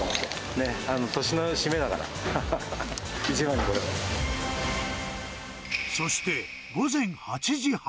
ねぇ、年の締めだから、そして、午前８時半。